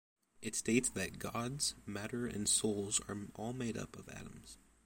It states that gods, matter, and souls are all made up of atoms.